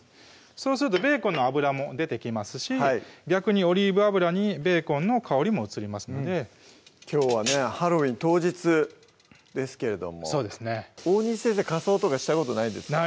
そうするとベーコンの脂も出てきますし逆にオリーブ油にベーコンの香りも移りますのできょうはねハロウィーン当日ですけれども大西先生仮装とかしたことないんですか？